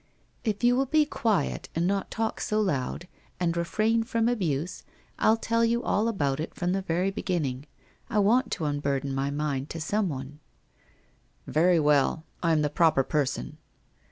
' If you will be quiet, and not talk so loud, and refrain from abuse, I'll tell you all about it from the very begin ning. I want to unburden my mind to someone.' ' Very well, I'm the proper person.'